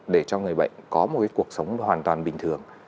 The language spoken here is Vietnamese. để cho người bệnh có một cuộc sống hoàn toàn bình thường